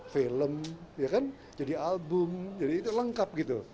film jadi album jadi itu lengkap gitu